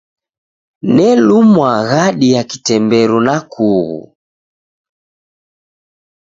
Nelumwa ghadi ya kitemberu na kughu.